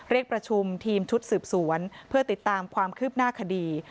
เรียกประชุมทีมชุดสืบสวนเพื่อติดตามความคืบหน้าคดี